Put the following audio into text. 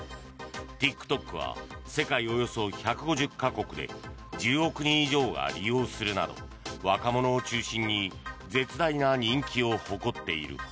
ＴｉｋＴｏｋは世界およそ１５０か国で１０億人以上が利用するなど若者を中心に絶大な人気を誇っている。